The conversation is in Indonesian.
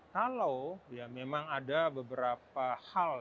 kalau ya memang ada beberapa hal